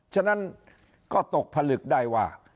ฉะนั้นก็ตกผลึกได้ว่า